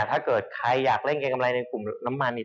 ถ้าเกิดใครอยากเล่นเกมกำไรในกลุ่มน้ำมันนี่